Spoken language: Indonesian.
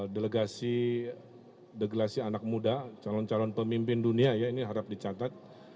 delegasi anak muda calon calon pemimpin dunia ya ini harap dicatat